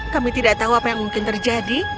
kami tidak tahu apa yang mungkin terjadi